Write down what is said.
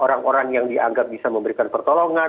orang orang yang dianggap bisa memberikan pertolongan